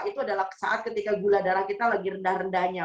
itu adalah saat ketika gula darah kita lagi rendah rendahnya